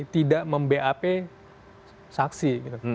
tidak mem bap saksi